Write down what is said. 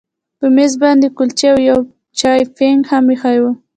په میز باندې کلچې او یو چاینک هم ایښي وو